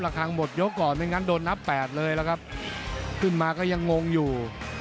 ครั้งหมดยกก่อนไม่งั้นโดนนับแปดเลยล่ะครับขึ้นมาก็ยังงงอยู่